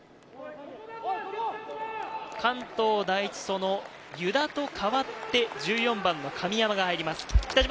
関東第一、その湯田と代わって１４番の神山が入ります。